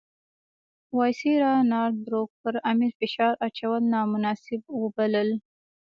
وایسرا نارت بروک پر امیر فشار اچول نامناسب وبلل.